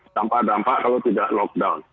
tanpa dampak kalau tidak lockdown